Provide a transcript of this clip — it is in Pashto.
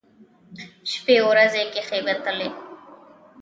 شپې ورځې کښېوتلې.